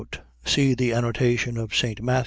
See the annotation of St. Matt.